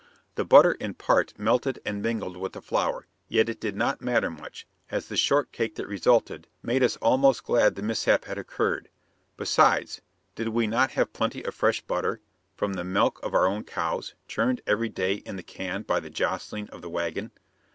The butter in part melted and mingled with the flour, yet it did not matter much, as the "shortcake" that resulted made us almost glad the mishap had occurred. Besides, did we not have plenty of fresh butter, from the milk of our own cows, churned every day in the can by the jostling of the wagon?